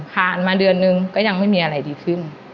ผ่านมาเดือนนึงก็ยังไม่มีอะไรดีขึ้น